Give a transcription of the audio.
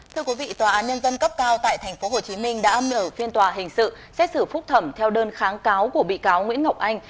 thưa quý vị tòa án nhân dân cấp cao tại tp hcm đã mở phiên tòa hình sự xét xử phúc thẩm theo đơn kháng cáo của bị cáo nguyễn ngọc anh